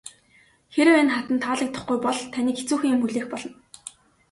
Хэрэв энэ хатанд таалагдахгүй бол таныг хэцүүхэн юм хүлээх болно.